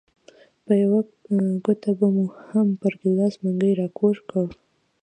په یوه ګوته به مو هم پر ګیلاس منګی راکوږ کړ.